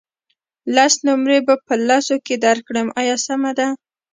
لس نمرې به په سلو کې درکړم آیا سمه ده.